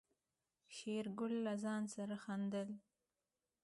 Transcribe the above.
شېرګل له ځان سره خندل.